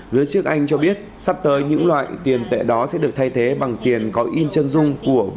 giới chức anh cho biết sắp tới những loại tiền tệ đó sẽ được thay thế bằng tiền có in chân dung của